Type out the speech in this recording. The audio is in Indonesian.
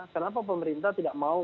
kenapa pemerintah tidak mau